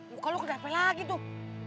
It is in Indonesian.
muka lo kena apel lagi tuh